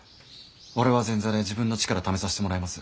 俺は前座で自分の力試さしてもらいます。